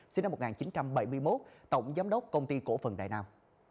sinh năm một nghìn chín trăm bảy mươi một tổng giám đốc công ty cổ phần đại nam